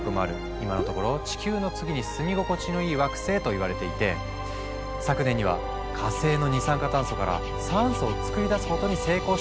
今のところ「地球の次に住み心地のいい惑星」といわれていて昨年には火星の二酸化炭素から酸素を作り出すことに成功したってニュースも。